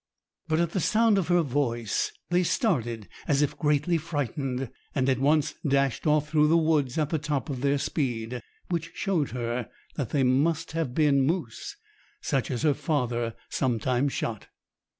"] But at the sound of her voice they started as if greatly frightened, and at once dashed off through the woods at the top of their speed; which showed her that they must have been moose, such as her father sometimes shot.